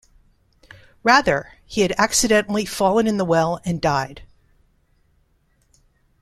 Rather, he had accidentally fallen in the well and died.